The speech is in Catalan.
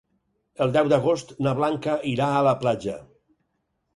El deu d'agost na Blanca irà a la platja.